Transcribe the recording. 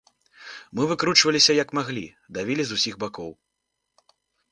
Мы выкручваліся як маглі, давілі з усіх бакоў.